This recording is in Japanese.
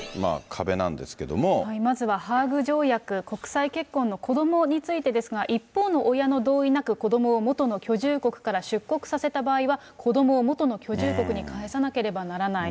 まずはハーグ条約、国際結婚の子どもについてですが、一方の親の同意なく、子どもを元の居住国から出国させた場合は子どもを元の居住国に帰さなければならない。